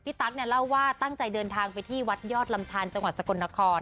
ตั๊กเนี่ยเล่าว่าตั้งใจเดินทางไปที่วัดยอดลำทานจังหวัดสกลนคร